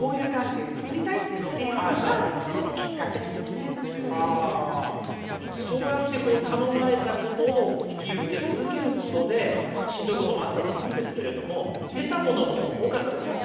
その中でそうやって頼まれたことを引き受け続けることでしんどいこともあったと思うんですけれども得たものも多かったですか？